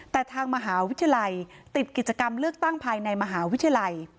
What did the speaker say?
แต่ทางมหาวิทยาลัยติดกิจกรรมเลือกตั้งภายในมหาวิทยาลัย